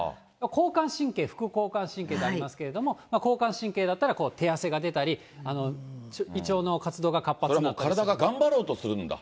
交感神経、副交感神経とありますけれども、交感神経だったら、手汗が出たり、体が頑張ろうとするんだ。